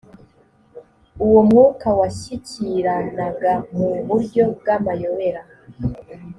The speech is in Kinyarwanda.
uwo mwuka washyikiranaga mu buryo bw’amayobera